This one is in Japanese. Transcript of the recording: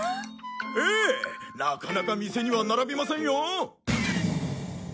ええなかなか店には並びませんよ。